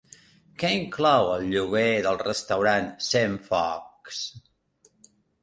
Què inclou el lloguer del restaurant Centfocs?